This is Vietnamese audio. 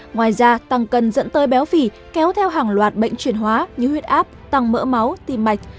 ngoài ra tăng cân dẫn tới béo phỉ kéo theo hàng loạt bệnh truyền hóa như huyết áp tăng mỡ máu tim mạch